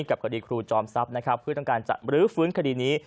กับคดีครูจอมทรัพย์นะครับเพื่อต้องการจะบรื้อฟื้นคดีนี้